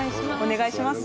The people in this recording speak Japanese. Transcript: お願いします。